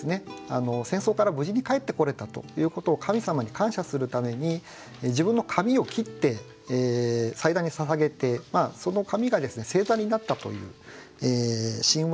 戦争から無事に帰ってこれたということを神様に感謝するために自分の髪を切って祭壇にささげてその髪が星座になったという神話をベースにしている歌ですね。